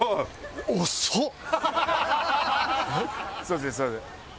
すみませんすみません。